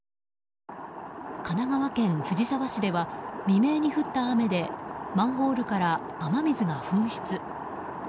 神奈川県藤沢市では未明に降った雨でマンホールから雨水が噴出。